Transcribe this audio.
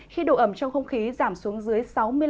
khi độ ẩm trong không khí giảm xuống dưới sáu mươi năm